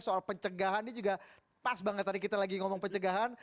soal pencegahan ini juga pas banget tadi kita lagi ngomong pencegahan